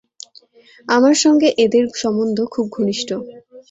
আমার সঙ্গে এঁদের সম্বন্ধ খুব ঘনিষ্ঠ।